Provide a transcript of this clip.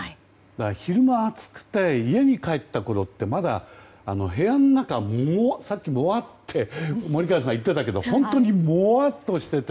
昼間が暑くて家に帰ったころはまだ部屋の中が森川さんが言っていたけれど本当にもわっとしていて。